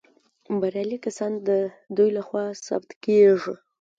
بریالي کسان د دوی لخوا ثبت کیږي.